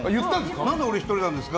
何で俺１人なんですか？